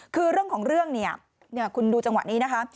คือเรื่องของเรื่องเนี่ยคุณดูจังหวะนี้นะคะ